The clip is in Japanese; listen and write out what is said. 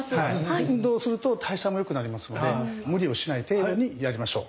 運動すると代謝もよくなりますので無理をしない程度にやりましょう。